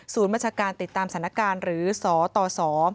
ศูนย์มาชาการติดตามศาลการณ์หรือสตส